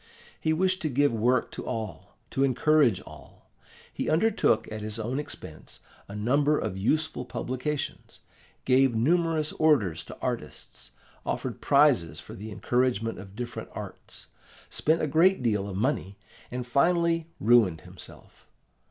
He wished to give work to all, to encourage all. He undertook, at his own expense, a number of useful publications; gave numerous orders to artists; offered prizes for the encouragement of different arts; spent a great deal of money, and finally ruined himself.